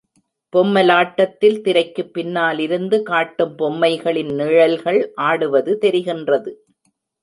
பொம்மலாட்டத்தில் திரைக்குப் பின்னாலிருந்து காட்டும் பொம்மைகளின் நிழல்கள் ஆடுவது தெரிகின்றது.